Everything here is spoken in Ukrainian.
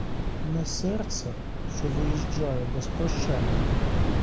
Не сердься, що виїжджаю без прощання.